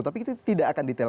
tapi itu tidak akan detail